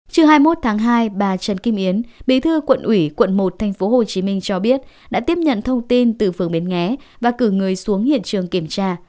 trước hai mươi một tháng hai bà trần kim yến bí thư quận ủy quận một tp hcm cho biết đã tiếp nhận thông tin từ phường bến nghé và cử người xuống hiện trường kiểm tra